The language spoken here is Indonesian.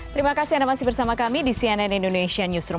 terima kasih anda masih bersama kami di cnn indonesia newsroom